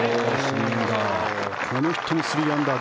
この人も３アンダー。